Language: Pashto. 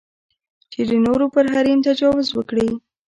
چې د نورو پر حریم تجاوز وکړي.